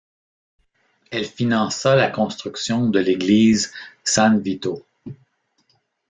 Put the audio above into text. Elle finança la construction de l'Église San Vito.